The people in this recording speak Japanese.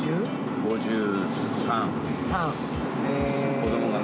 ５３。